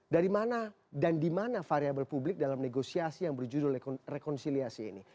dari mana dan di mana variable publik dalam negosiasi yang berjudul rekonsiliasi ini